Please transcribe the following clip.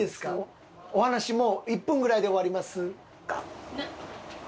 お話もう１分ぐらいで終わります。